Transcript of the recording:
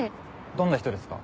どんな人ですか？